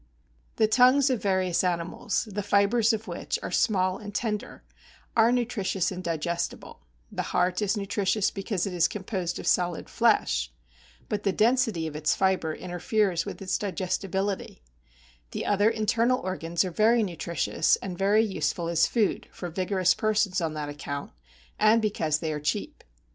The tongues of various animals, the fibres of which are small and tender, are nutritious and digestible; the heart is nutritious because it is composed of solid flesh, but the density of its fibre interferes with its digestibility; the other internal organs are very nutritious, and very useful as food for vigorous persons on that account, and because they are cheap.